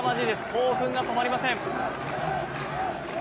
興奮が止まりません。